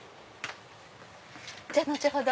じゃあ後ほど